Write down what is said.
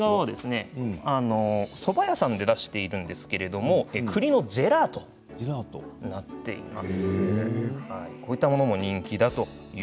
こちらはそば屋さんで出しているんですけれどもくりのジェラートになっています。